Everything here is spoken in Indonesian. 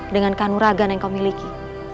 dengan kanuragan yang kau miliki